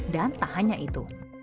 dan tak hanya itu